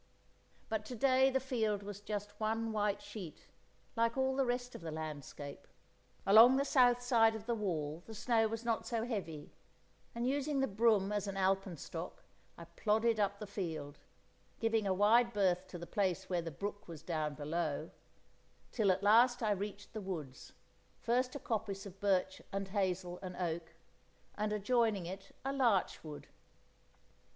But to day the field was just one white sheet, like all the rest of the landscape. Along the south side of the wall the snow was not so heavy, and using the broom as an alpenstock, I plodded up the field—giving a wide berth to the place where the brook was down below—till at last I reached the woods, first a coppice of birch and hazel and oak, and adjoining it a larch wood.